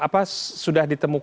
apa sudah ditemukan